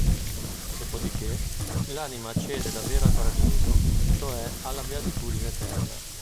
Dopodiché, l'anima accede davvero al Paradiso, cioè alla beatitudine eterna.